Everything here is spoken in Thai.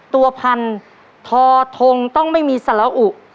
ตัวพันทอทงต้องไม่มีสารอุ